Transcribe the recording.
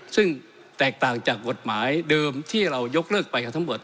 ซึ่งแตกต่างจากกฎหมายเดิมที่เรายกเลิกไปกันทั้งหมด